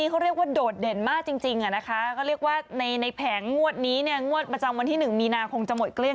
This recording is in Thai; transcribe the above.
ก็สองหนึ่งสี่ต้องกระเตาเลยนะ